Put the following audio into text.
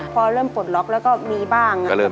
พอเริ่มปลดล็อกแล้วก็มีบ้าง